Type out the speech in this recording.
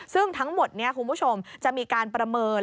ซึ่งทั้งหมดนี้คุณผู้ชมจะมีการประเมิน